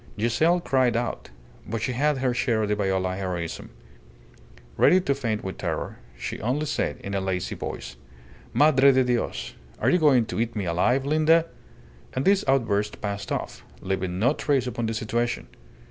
Giselle cried out. But she had her share of the Viola heroism. Ready to faint with terror, she only said, in a lazy voice, "Madre de Dios! Are you going to eat me alive, Linda?" And this outburst passed off leaving no trace upon the situation.